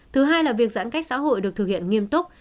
thứ hai là việc giãn cách xã hội được thực hiện nghiêm túc